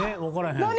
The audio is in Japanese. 何？